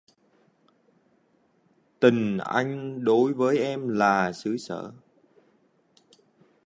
Tình anh đối với em là xứ sở